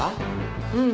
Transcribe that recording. うん。